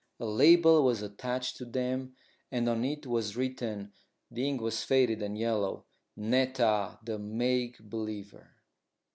A label was attached to them, and on it was written the ink was faded and yellow "Netta, the Make Believer."